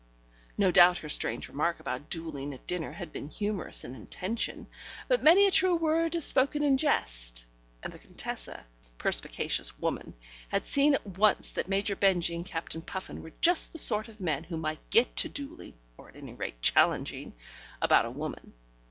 ... No doubt her strange remark about duelling at dinner had been humorous in intention, but many a true word is spoken in jest, and the Contessa perspicacious woman had seen at once that Major Benjy and Captain Puffin were just the sort of men who might get to duelling (or, at any rate, challenging) about a woman.